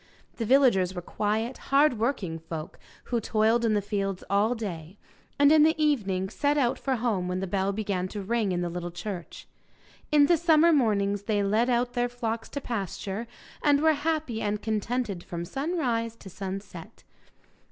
The villagers were quiet, hard working folk, who toiled in the fields all day, and in the evening set out for home when the bell began to ring in the little church. In the summer mornings they led out their flocks to pasture, and were happy and contented from sunrise to sunset.